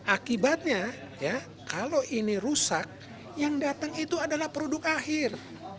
akibatnya kalau ini rusak yang datang itu adalah produk akhir